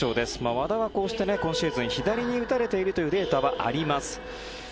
和田は今シーズンこうして左に打たれているというデータはあります。